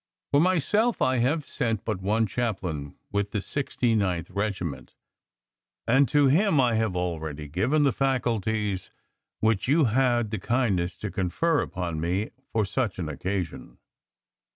For myself I have sent but one chaplain with the Sixty ninth Regiment, and to him I have already given the faculties which you had the kindness to confer upon me for such an occasion.